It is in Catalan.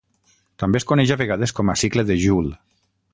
També es coneix a vegades com a cicle de Joule.